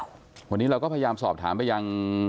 วันนี้เราก็พยายามสอบถามไปยัง